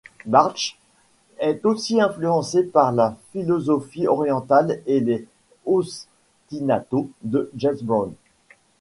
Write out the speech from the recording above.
Bärtsch est aussi influencé par la philosophie orientale et les ostinato de James Brown.